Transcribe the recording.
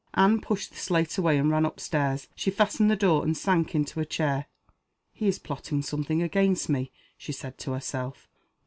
Anne pushed the slate away, and ran up stairs. She fastened the door and sank into a chair. "He is plotting something against me," she said to herself.